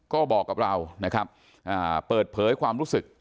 ก็บอกกับเรานะครับเปิดเผยความรู้สึก